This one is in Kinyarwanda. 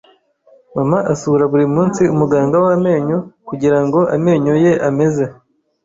Mama asura buri munsi umuganga w’amenyo kugirango amenyo ye ameze .